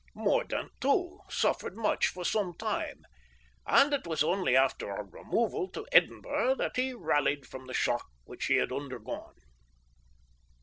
Mordaunt, too, suffered much for some time, and it was only after our removal to Edinburgh that he rallied from the shock which he had undergone.